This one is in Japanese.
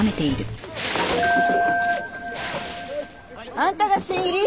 あんたが新入り？